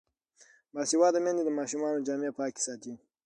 باسواده میندې د ماشومانو جامې پاکې ساتي.